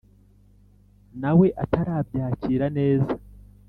nawe atarabyakira neza